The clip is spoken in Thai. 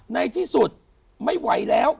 ในที่สุดไม่ไหวแล้ว